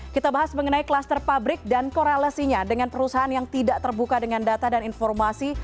kita bahas mengenai kluster pabrik dan korelasinya dengan perusahaan yang tidak terbuka dengan data dan informasi